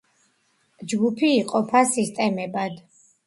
ჯგუფი იყოფა სისტემებად.